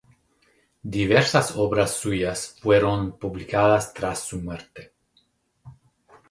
Diversas obras suyas fueron publicadas tras su muerte.